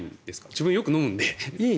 自分、よく飲むので。